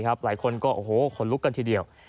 หลายคนก็ขนลุกกันทีเดียว